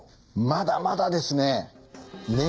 まだまだですね。